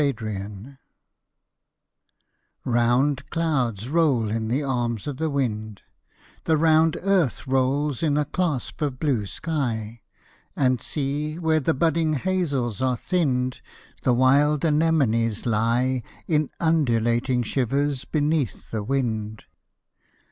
MATING ROUND clouds roll in the arms of the wind, The round earth rolls in a clasp of blue sky, And see, where the budding hazels are thinned, The wild anemones lie In undulating shivers beneath the wind.